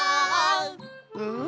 うん。